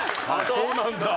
そうなんだ。